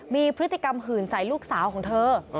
มีพฤติกรรมหื่นใจลูกสาวของเธอ